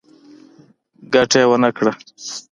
ګټه یې ونه کړه.